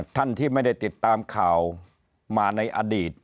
ท่านที่ไม่ได้ติดตามข่าวมาในอดีต